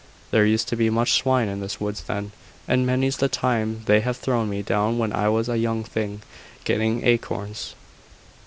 There used to be much swine in the woods then; and many's the time they have thrown me down when I was a young thing getting acorns.